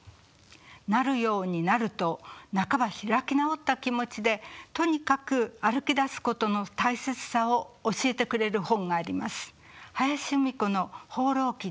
なるようになると半ば開き直った気持ちでとにかく歩きだすことの大切さを教えてくれる本があります。